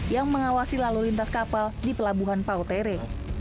yang mengawasi lalu lintas kapal di pelabuhan pautere